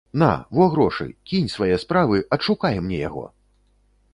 На, во грошы, кінь свае справы, адшукай мне яго!